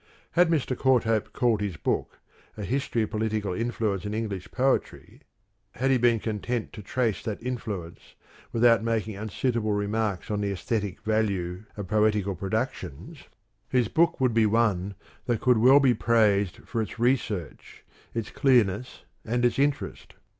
Had Mr. Courthope TWO CRITICS OF POETRY 235 called his book a " History of Political Influence in English Poetry," had he been content to trace that influence without making unsuitable remarks on the aesthetic value of poetical productions, his book would be one that could well be praised for its research, its clearness, and its interest.